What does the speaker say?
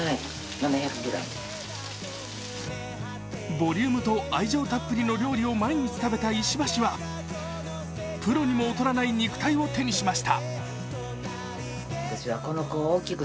ボリュームと愛情たっぷりの料理を毎日食べた石橋はプロにも劣らない肉体を手にしました。